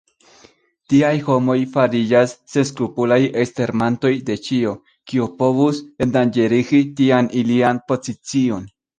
Tiaj homoj fariĝas senskrupulaj ekstermantoj de ĉio, kio povus endanĝerigi tian ilian pozicion.